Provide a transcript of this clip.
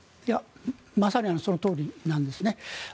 まさにそのとおりなんですね。